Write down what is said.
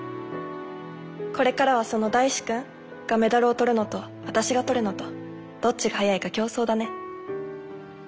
これからはその大志くん？がメダルを取るのと私が取るのとどっちが早いか競争だね。